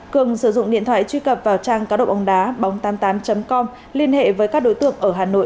cường sử dụng điện thoại truy cập vào trang cá độ bóng đá bóng tám mươi tám com liên hệ với các đối tượng ở hà nội